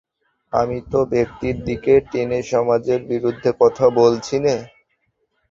আমি তো ব্যক্তির দিকে টেনে সমাজের বিরুদ্ধে কথা বলছি নে।